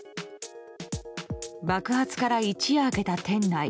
爆発から一夜明けた店内。